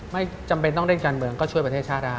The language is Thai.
ไม่จำเป็นต้องเล่นการเมืองก็ช่วยประเทศชาติได้